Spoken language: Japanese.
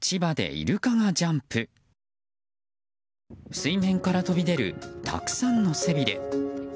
水面から飛び出るたくさんの背びれ。